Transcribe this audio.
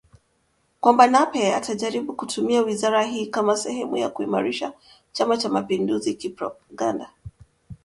kwamba Nape atajaribu kutumia wizara hii kama sehemu ya kuiimarisha Chama cha mapinduzi kipropaganda